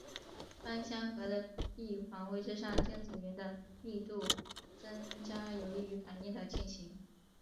芳香核的闭环位置上电子云的密度增加有利于反应的进行。